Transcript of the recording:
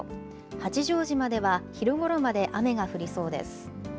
八丈島では昼ごろまで雨が降りそうです。